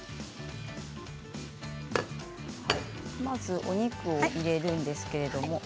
まずお肉を入れるんですけれども。